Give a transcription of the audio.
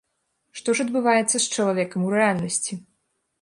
Што ж адбываецца з чалавекам у рэальнасці?